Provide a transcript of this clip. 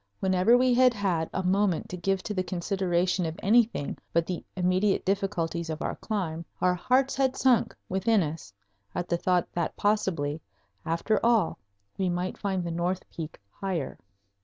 Whenever we had had a moment to give to the consideration of anything but the immediate difficulties of our climb our hearts had sunk within us at the thought that possibly, after all, we might find the north peak higher.